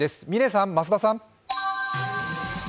嶺さん、増田さん。